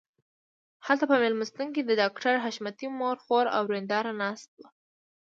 هلته په مېلمستون کې د ډاکټر حشمتي مور خور او ورېندار ناست وو